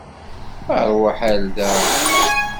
Aṛwaḥ ar da.